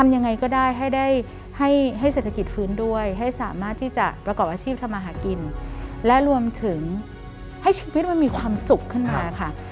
ยังไงก็ได้ให้ได้ให้เศรษฐกิจฟื้นด้วยให้สามารถที่จะประกอบอาชีพทำมาหากินและรวมถึงให้ชีวิตมันมีความสุขขึ้นมาค่ะ